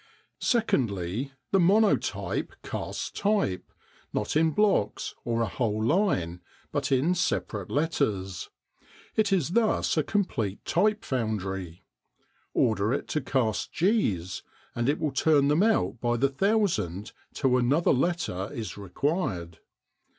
Secondly, the Monotype casts type, not in blocks or a whole line, but in separate letters. It is thus a complete type foundry. Order it to cast G's and it will turn them out by the thousand till another letter is required.